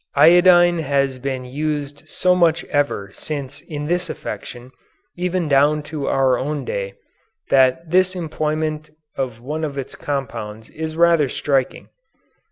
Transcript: Iodine has been used so much ever since in this affection, even down to our own day, that this employment of one of its compounds is rather striking.